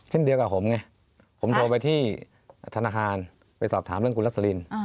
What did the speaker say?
เช่นเดียวกับผมไงผมโทรไปที่ธนาคารไปสอบถามเรื่องคุณรัสลิน